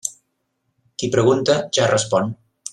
Qui pregunta, ja respon.